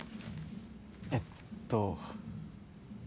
えっと。